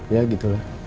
ya gitu lah